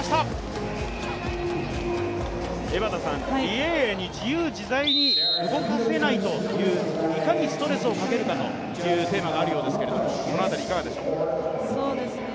リ・エイエイに自由自在に動かせないという、いかにストレスをかけるかというテーマがあるようですが、いかがでしょうか。